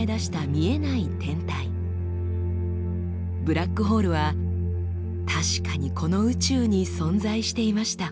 ブラックホールは確かにこの宇宙に存在していました。